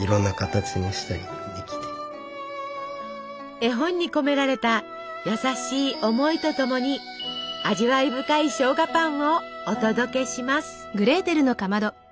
絵本に込められた優しい思いとともに味わい深いしょうがパンをお届けします！